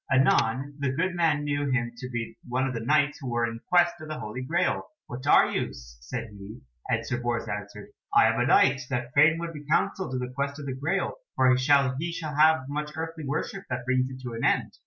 Anon the good man knew him to be one of the Knights who were in quest of the Holy Graal. "What are you?" said he, and Sir Bors answered, "I am a Knight that fain would be counselled in the quest of the Graal, for he shall have much earthly worship that brings it to an end."